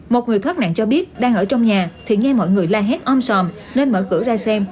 một người thoát nạn cho biết đang ở trong nhà thì nghe mọi người la hét ôm sòm nên mở cửa ra xem